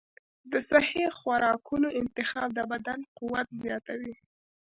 د صحي خوراکونو انتخاب د بدن قوت زیاتوي.